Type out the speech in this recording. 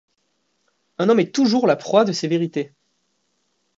Un homme est toujours la proie de ses vérités.